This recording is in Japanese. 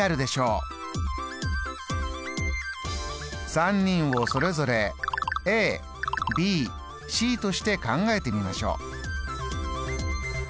３人をそれぞれＡＢＣとして考えてみましょう。